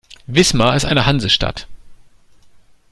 Wismar ist eine Hansestadt.